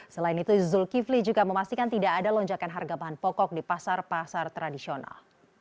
selain itu zulkifli juga memastikan tidak ada lonjakan harga bahan pokok di pasar pasar tradisional